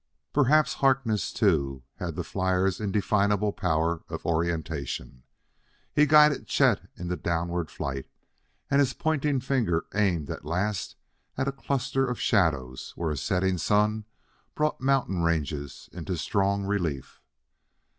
Perhaps Harkness, too, had the flyer's indefinable power of orientation. He guided Chet in the downward flight, and his pointing finger aimed at last at a cluster of shadows where a setting sun brought mountain ranges into strong relief.